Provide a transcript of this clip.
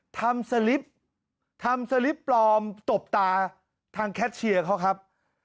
สลิปทำสลิปปลอมตบตาทางแคทเชียร์เขาครับ